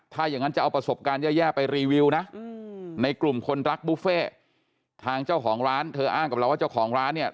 ถ้าอย่างนั้นจะเอาประสบการณ์แย่ไปรีวิวนะในกลุ่มคนรักบุฟเฟ่ทางเจ้าของร้านเธออ้างกับเราว่าเจ้าของร้านเนี่ย